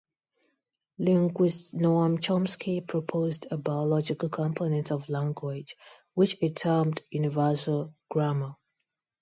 Linguist Noam Chomsky proposed a biological component of language, which he termed Universal Grammar.